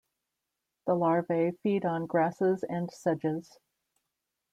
The larvae feed on grasses and sedges.